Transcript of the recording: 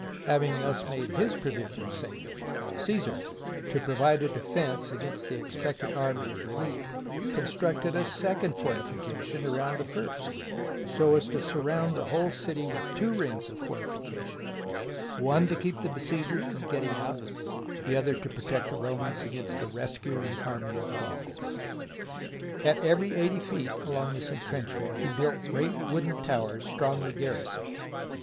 Having thus made his provisions safe, Caesar, to provide a defence against the expected army of relief, constructed a second fortification around the first, so as to surround the whole city with two rings of fortification, one to THE BOOK OF FAMOUS SIEGES keep the besiegers from getting out, the other to protect the Romans against the rescuing army of Gauls. At every eighty feet along this intrenchment he built great wooden towers strongly garrisoned.